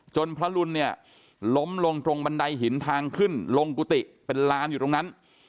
พระรุนเนี่ยล้มลงตรงบันไดหินทางขึ้นลงกุฏิเป็นลานอยู่ตรงนั้น